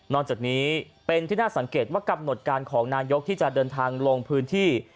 จากนี้เป็นที่น่าสังเกตว่ากำหนดการของนายกที่จะเดินทางลงพื้นที่